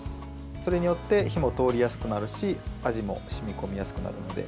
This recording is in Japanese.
それによって火も通りやすくなるし味も染み込みやすくなるので。